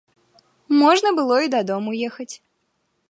Можна было і дадому ехаць.